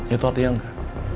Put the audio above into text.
itu artinya engga